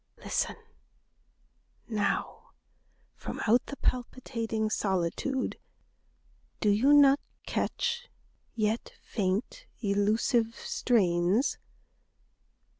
Listen! Now, From out the palpitating solitude Do you not catch, yet faint, elusive strains?